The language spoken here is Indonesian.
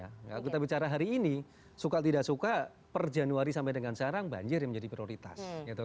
kalau kita bicara hari ini suka tidak suka per januari sampai dengan sekarang banjir yang menjadi prioritas